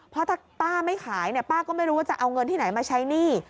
เพราะถ้าป้าไม่ขายเนี่ยป้าก็ไม่รู้ว่าจะเอาเงินที่ไหนมาใช้หนี้